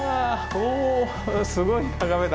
おすごい眺めだ。